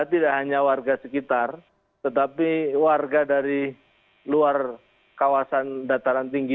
tidak hanya warga sekitar tetapi warga dari luar kawasan dataran tinggi